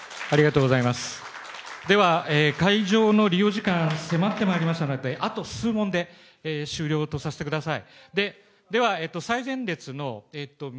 会場の利用時間が迫ってまいりましたのであと数問で終了とさせてください。